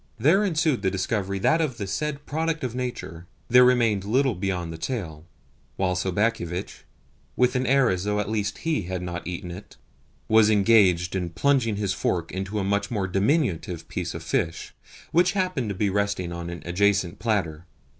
there ensued the discovery that of the said product of nature there remained little beyond the tail, while Sobakevitch, with an air as though at least HE had not eaten it, was engaged in plunging his fork into a much more diminutive piece of fish which happened to be resting on an adjacent platter.